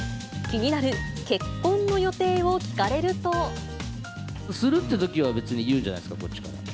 気になる結婚の予定を聞かれするっていうときは、別に言うんじゃないですか、こっちから。